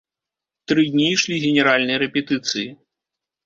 Тры дні ішлі генеральныя рэпетыцыі.